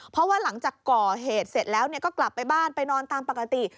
เพราะว่าหลังจากก่อเหตุเสร็จแล้วก็กลับไปบ้านไปนอนตามปกติ